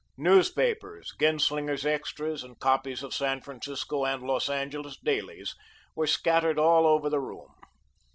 Newspapers, Genslinger's extras and copies of San Francisco and Los Angeles dailies were scattered all over the room.